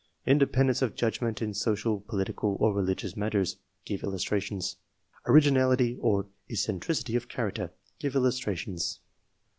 Independence of judgment in social political, or religious matters (give illustrations)? Originality or eccentricity of character (give illus trations)